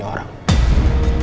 dia suka sama orang